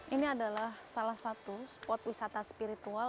ini adalah salah satu spot wisata spiritual